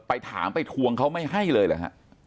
ไปถามไปทวงเขาไม่ให้เลยเหรอฮะ